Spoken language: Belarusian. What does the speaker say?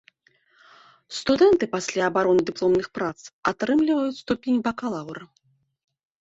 Студэнты пасля абароны дыпломных прац атрымліваюць ступень бакалаўра.